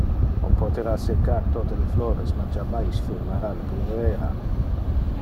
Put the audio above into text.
On potera secar tote le flores, ma jammais firmara le primavera.